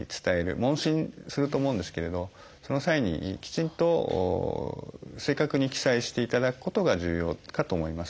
問診すると思うんですけれどその際にきちんと正確に記載していただくことが重要かと思います。